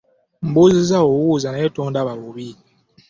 Mbuuzizza bubuuza naye tondaba bubi.